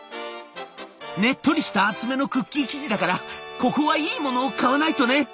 「ねっとりとした厚めのクッキー生地だからここはいいものを買わないとね！」。